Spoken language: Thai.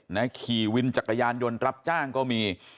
ขี่วินจักรยานยนต์รับจ้างก็มี